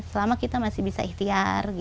selama kita masih bisa ikhtiar